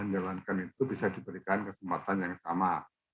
jasa diberikan kesempatan yang sama